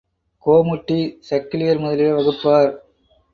கோமுட்டி, சக்கிலியர் முதலிய வகுப்பார்